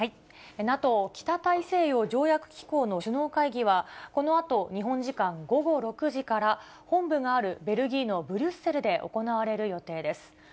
ＮＡＴＯ・北大西洋条約機構の首脳会議は、このあと、日本時間午後６時から、本部があるベルギーのブリュッセルで行われる予定です。